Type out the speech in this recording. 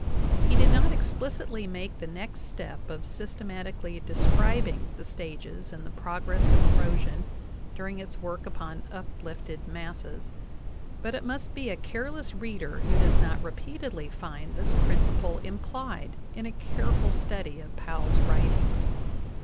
\ He did not explicitly make the next step cf systematically~o!escribing the stages in the progress of erosion during its work upon uplifted masses, but it must be a careless reader who does not repeatedly find this principle implied in a careful study of Powell's writings.